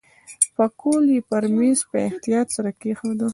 پکول یې پر میز په احتیاط سره کېښود.